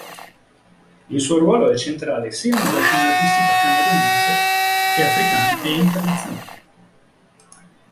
Il suo ruolo è centrale sia nella scena artistica camerunese, che africana e internazionale.